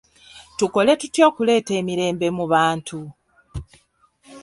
Tukole tutya okuleeta emirembe mu bantu?